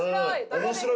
面白い！